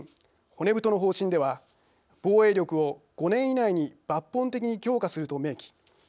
骨太の方針では防衛力を５年以内に抜本的に強化すると明記。